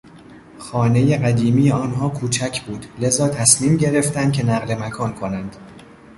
خانهی قدیمی آنها کوچک بود لذاتصمیم گرفتند که نقل مکان کنند.